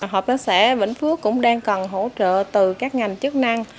hợp tác xã vĩnh phước cũng đang cần hỗ trợ từ các ngành chức năng